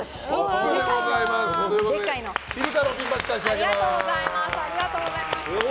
おめでとうございます。